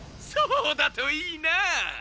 そうだといいな！